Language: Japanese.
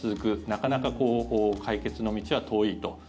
なかなか解決の道は遠いと。